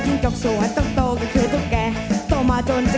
ทีม